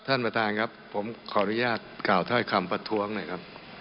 ท่านประธานครับผมขออนุญาตกล่าวถ้อยคำประท้วงหน่อยครับ